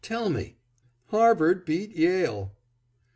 Tell me." "HARVARD BEAT YALE!"